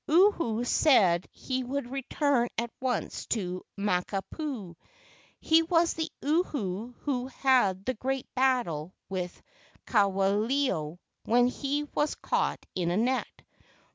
Uhu said he would return at once to Makapuu. He was the Uhu who had the great battle with Kawelo when he was caught in a net.